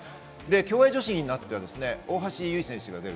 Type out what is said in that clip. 競泳女子になったら大橋悠依選手が出ます。